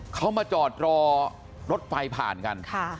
เขามาจอดรอรถไฟผ่านกัน